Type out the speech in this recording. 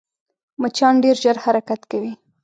مچان ډېر ژر حرکت کوي